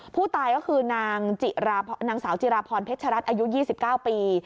ผู้ตายก็คือนางสาวจิราพรเพชรัตน์อายุ๒๙ปี